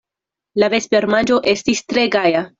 La vespermanĝo estis tre gaja.